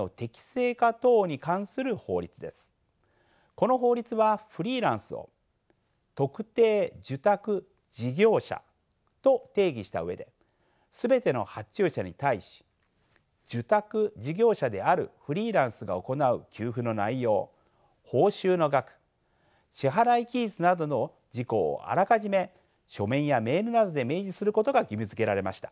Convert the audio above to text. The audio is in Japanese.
この法律はフリーランスを特定受託事業者と定義した上で全ての発注者に対し受託事業者であるフリーランスが行う給付の内容報酬の額支払い期日などの事項をあらかじめ書面やメールなどで明示することが義務づけられました。